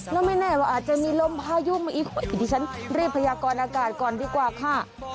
แล้วไม่แน่ว่าอาจจะมีลมพายุมาอีกที่ฉันรีบพยากรอากาศก่อนดีกว่าค่ะ